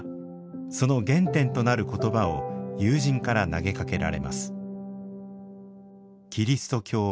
その原点となる言葉を友人から投げかけられます。